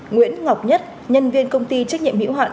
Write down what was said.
nguyễn ngọc nhất nhân viên công ty trách nhiệm hữu hạn